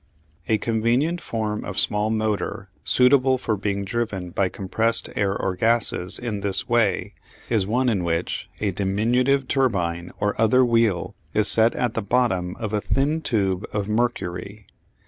A convenient form of small motor suitable for being driven by compressed air or gases in this way is one in which a diminutive turbine or other wheel is set at the bottom of a thin tube of mercury.